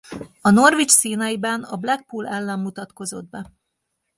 A Norwich színeiben a Blackpool ellen mutatkozott be.